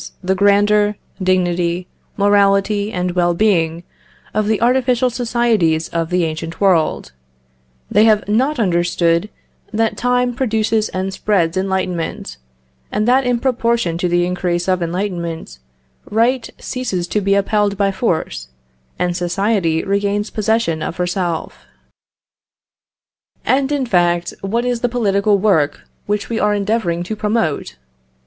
the grandeur, dignity, morality, and well being of the artificial societies of the ancient world; they have not understood that time produces and spreads enlightenment; and that in proportion to the increase of enlightenment, right ceases to be upheld by force, and society regains possession of herself. And, in fact, what is the political work which we are endeavouring to promote?